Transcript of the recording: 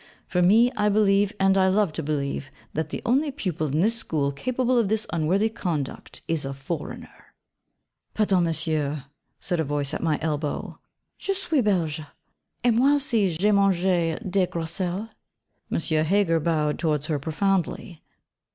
For me, I believe, and I love to believe, that the only pupil in this school capable of this unworthy conduct is a foreigner.' 'Pardon, Monsieur,' said a voice at my elbow, 'je suis Belge; et moi aussi j'ai mangé des groseilles.' M. Heger bowed towards her profoundly.